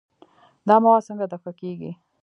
دا مواد څنګه دفع کېږي؟